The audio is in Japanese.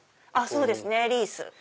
そうですねリース。